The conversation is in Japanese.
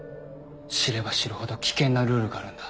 知れば知るほど危険なルールがあるんだ。